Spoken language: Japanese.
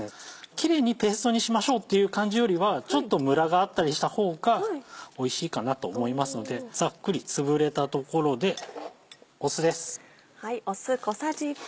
キレイにペーストにしましょうっていう感じよりはちょっとムラがあったりした方がおいしいかなと思いますのでざっくりつぶれたところで酢です。